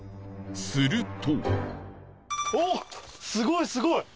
すると